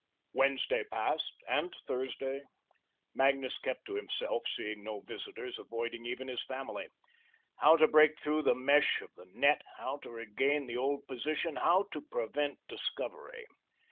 Wednesday passed, and Thursday. Magnus kept to himself, seeing no visitors, avoiding even his family. How to break through the mesh of the net, how to regain the old position, how to prevent discovery?